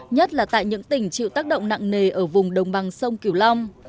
nhất là tại những tỉnh chịu tác động nặng nề ở vùng đồng bằng sông kiều long